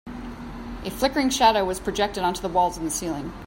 A flickering shadow was projected onto the walls and the ceiling.